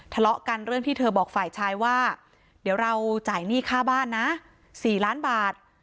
ทะเลาะกันเรื่องที่เธอบอกฝ่ายชายว่าเดี๋ยวเราจ่ายหนี้ค่าบ้านนะ๔ล้านบาท